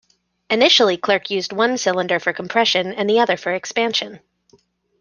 Initially Clerk used one cylinder for compression and the other for expansion.